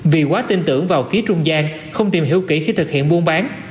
vì quá tin tưởng vào phía trung gian không tìm hiểu kỹ khi thực hiện buôn bán